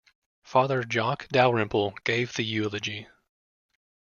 Father Jock Dalrymple gave the eulogy.